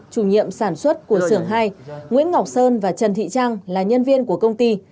chủ nhiệm sản xuất của sưởng hai nguyễn ngọc sơn và trần thị trang là nhân viên của công ty